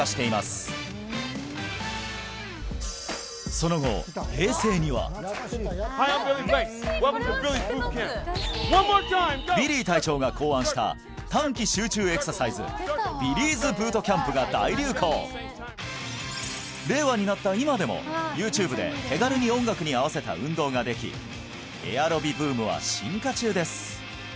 その後ビリー隊長が考案した短期集中エクササイズ令和になった今でもＹｏｕＴｕｂｅで手軽に音楽に合わせた運動ができエアロビブームは進化中です